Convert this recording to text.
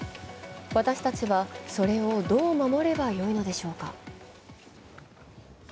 私たちはそれをどう守ればよいのでしょうか。